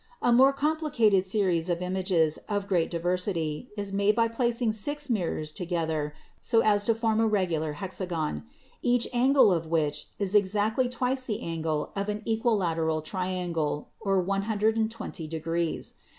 A more complicated series of images of great diversity is made by placing six mirrors together so as to form a regular hexagon, each angle of which is exactly twice the angle of an equilateral triangle, or 120 degrees.